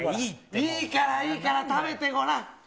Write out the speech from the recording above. いいからいいから食べてごらん。